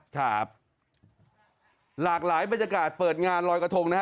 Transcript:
ครับหลากหลายบรรยากาศเปิดงานลอยกระทงนะฮะ